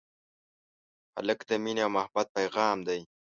هلک د مینې او محبت پېغام دی.